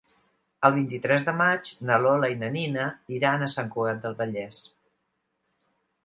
El vint-i-tres de maig na Lola i na Nina iran a Sant Cugat del Vallès.